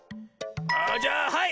あじゃあはい！